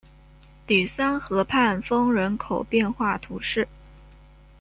吕桑河畔丰人口变化图示